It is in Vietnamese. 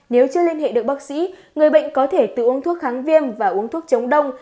nếu chưa liên hệ được bác sĩ người bệnh có thể tự uống thuốc kháng viêm và uống thuốc chống đông